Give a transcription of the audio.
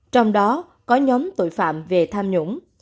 trong đó có nhóm tội phạm về tham nhũng